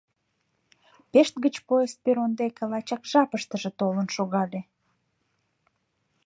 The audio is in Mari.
Пешт гыч поезд перрон дек лачак жапыштыже толын шогале.